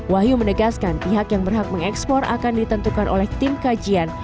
wahyu menegaskan pihak yang berhak mengekspor akan ditentukan oleh tim kajian